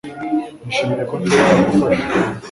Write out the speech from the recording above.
Nishimiye ko nshobora gufasha